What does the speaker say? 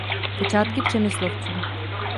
Počátky Přemyslovců.